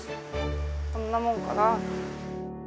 こんなもんかな。